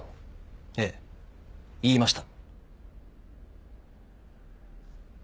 ええ言いました。